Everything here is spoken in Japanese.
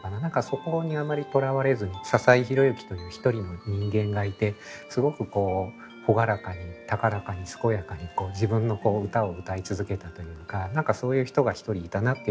そこにあんまりとらわれずに笹井宏之という一人の人間がいてすごく朗らかに高らかに健やかに自分の歌を歌い続けたというか何かそういう人が一人いたなっていうこと。